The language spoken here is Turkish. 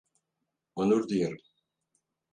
Onur duyarım.